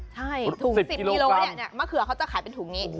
ใช่ถุงสิบกิโลกรัมเนี้ยเนี้ยมะเขือเขาจะขายเป็นถุงนี้